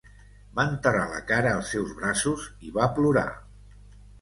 Va enterrar la cara als seus braços i va plorar.